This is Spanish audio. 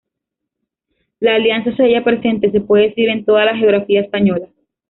La Alianza se halla presente, se puede decir, en toda la geografía española.